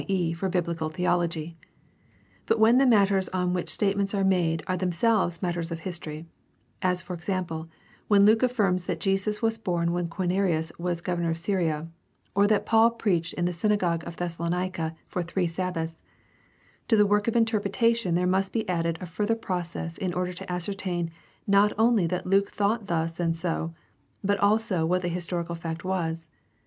e., for biblical theology. But when the matters on which statements are made are themselves matters of history, as, for example, when Luke affirms that Jesus was born when Quirinus was governor of Syria, or that Paul preached in the synagogue of Thessalonica for three Sabbaths, to the work of interpretation there must be added a further process in order to ascertain not only that Luke thought thus and so, but also what the historic fact was.